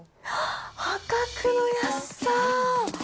破格の安さ。